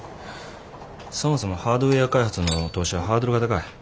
そもそもハードウェア開発の投資はハードルが高い。